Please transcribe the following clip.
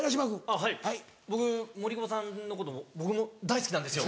あっはい僕森久保さんのこと僕も大好きなんですよ。